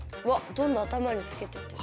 どんどん頭につけてってる。